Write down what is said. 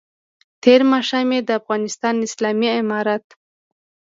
تېر ماښام یې د افغانستان اسلامي امارت